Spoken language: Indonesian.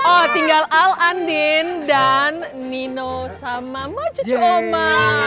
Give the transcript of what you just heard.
oh tinggal al andin dan nino sama maju coma